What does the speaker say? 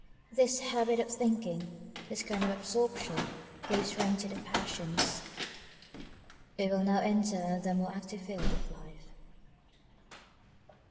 This habit of thinking, this kind of absorption, gave strength to the passions. We will now enter on the more active field of life.